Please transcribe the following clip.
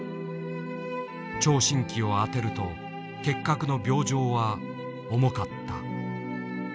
聴診器を当てると結核の病状は重かった。